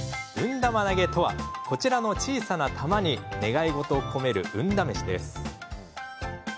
玉投げとはこちらの小さな玉に願い事を込める運試しです。